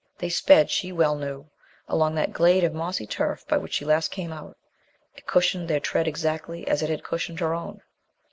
They sped, she well knew, along that glade of mossy turf by which she last came out; it cushioned their tread exactly as it had cushioned her own.